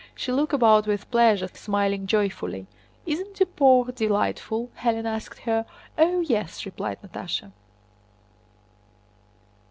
She looked about with pleasure, smiling joyfully. "Isn't Duport delightful?" Hélène asked her. "Oh, yes," replied Natásha.